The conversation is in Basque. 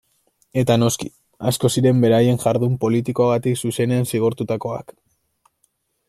Eta noski, asko ziren beraien jardun politikoagatik zuzenean zigortutakoak.